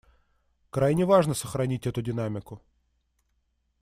Крайне важно сохранить эту динамику.